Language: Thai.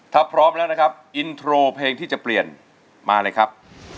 ถ้าพร้อมแล้วนะครับอินโทรเพลงที่จะเปลี่ยนมาเลยครับ